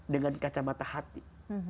dengan kacamata hati